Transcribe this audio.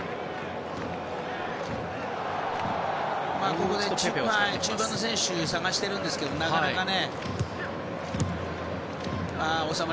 ここで中盤の選手を探してるんですけどなかなかね。